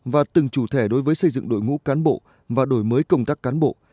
và từng chủ thể đối với xây dựng đội ngũ cán bộ và đổi mới công tác cán bộ